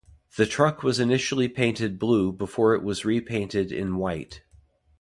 The truck was initially painted blue before it was repainted in white.